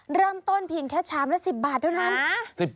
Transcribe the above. เริ่มต้นเพียงแค่ชามละ๑๐บาทเท่านั้น